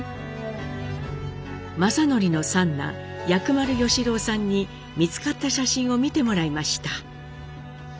正徳の三男薬丸義朗さんに見つかった写真を見てもらいました。